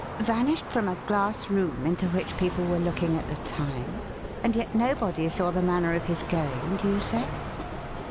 "Vanished from a glass room into which people were looking at the time? And yet nobody saw the manner of his going, do you say?"